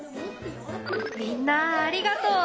みんなありがとう。